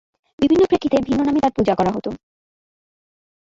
বিভিন্ন প্রেক্ষিতে ভিন্ন নামে তার পূজা করা হতো।